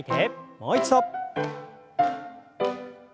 もう一度。